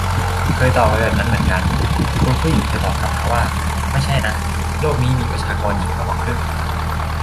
เคยตอบไปแบบนั้นเหมือนกัน คุณผู้หญิงเธอตอบกลับมาว่า ไม่ใช่นะ โลกนี้มีประชากรหญิงมากกว่าครึ่ง !